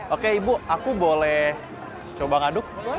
oke ibu aku boleh coba ngaduk